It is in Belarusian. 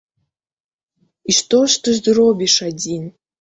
І што ж ты зробіш адзін?